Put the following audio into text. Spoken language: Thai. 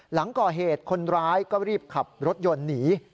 หลังก่อเหตุคนร้ายก็รีบขับรถยนต์หนี